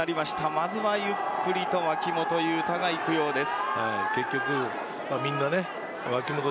まずはゆっくりと脇本雄太が行くようです。